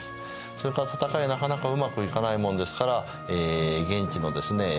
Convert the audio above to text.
それから戦いがなかなかうまくいかないもんですから現地のですね